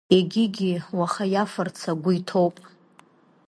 Егьигьы уаха иафарц агәы иҭоуп.